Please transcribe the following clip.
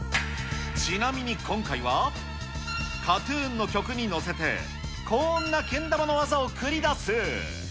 ちなみに今回は、ＫＡＴーＴＵＮの曲に乗せて、こんなけん玉の技を繰り出す。